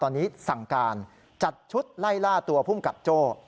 ตอนนี้สั่งการจัดชุดไล่ล่าตัวภูมิกับโจ้